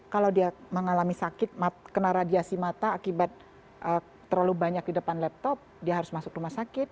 kalau dia mengalami sakit kena radiasi mata akibat terlalu banyak di depan laptop dia harus masuk rumah sakit